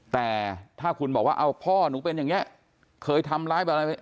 แต่ถ้าคุณบอกว่าเอาพ่อหนูเป็นอย่างนี้เคยทำร้ายแบบอะไร